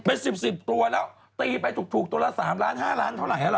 เป็น๑๐๑๐ตัวแล้วตีไปถูกตัวละ๓๕ล้านเท่าไหร่หรอ